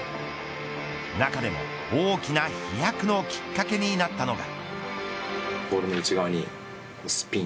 中でも大きな飛躍のきっかけになったのが。